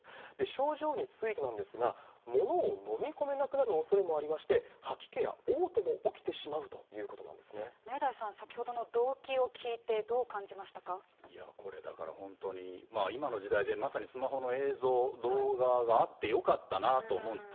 症状についてなんですが、ものを飲み込めなくなるおそれもありまして、吐き気やおう吐も起明大さん、先ほどの動機を聞これ、だから本当に、今の時代で、まさにスマホの映像、動画があってよかったなと思うんです。